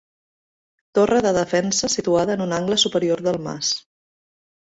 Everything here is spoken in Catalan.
Torre de defensa situada en un angle superior del mas.